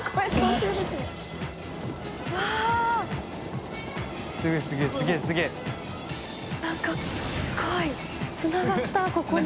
水卜）なんかすごいつながったここに。